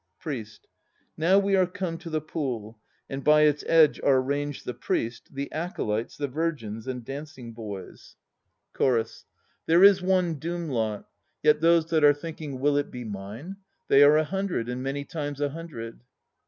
PRIEST. Now we are come to the Pool, and by its edge are ranged the Priest, the acolytes, the virgins and dancing boys. 200 THE N5 PLAYS OF JAPAN CHORUS. There is one doom lot; Yet those that are thinking "Will it be mine?" They are a hundred, And many times a hundred.